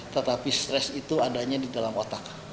tetapi stres itu adanya di dalam otak